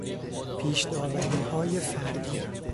پیشداوریهای فردی